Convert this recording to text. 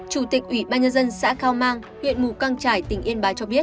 chủ tịch ủy ban nhân dân xã cao mang huyện mù căng trải tỉnh yên bá cho biết